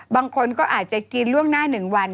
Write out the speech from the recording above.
บางคนก็อาจจะกินล่วงหน้า๑วัน